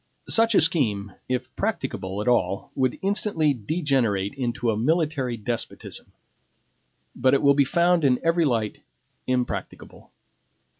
Such a scheme, if practicable at all, would instantly degenerate into a military despotism; but it will be found in every light impracticable.